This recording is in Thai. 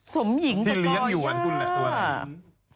สมหญิงกับก่อหญ้าที่เลี้ยงอยู่คุณและตัวอะไร